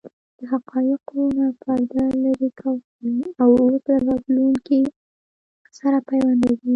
د حقایقو نه پرده لرې کوي او اوس له راتلونکې سره پیوندوي.